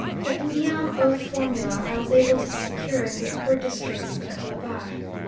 The Mbiam oath formula I was able to secure in the upper districts of the Calabar.